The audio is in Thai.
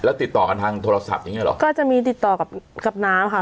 แล้วติดต่อกันทางโทรศัพท์อย่างเงี้เหรอก็จะมีติดต่อกับน้ำค่ะ